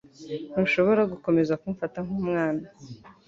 Ntushobora gukomeza kumfata nkumwana.